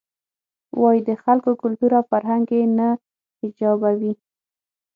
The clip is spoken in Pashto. وایې د خلکو کلتور او فرهنګ یې نه ایجابوي.